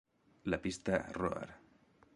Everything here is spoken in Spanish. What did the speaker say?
La pista "Roar!